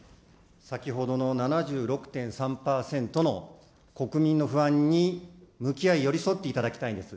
先ほどの７６．３％の国民の不安に向き合い、寄り添っていただきたいんです。